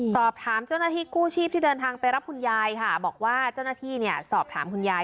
สอบถามเจ้าหน้าที่กู้ชีพที่เดินทางไปรับคุณยายค่ะบอกว่าเจ้าหน้าที่เนี่ยสอบถามคุณยาย